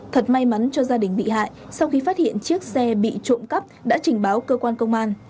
thật may mắn cho gia đình bị hại sau khi phát hiện chiếc xe bị trộm cắp đã trình báo cơ quan công an